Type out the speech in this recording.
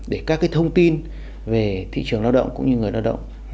để các thông tin về thị trường lao động cũng như người lao động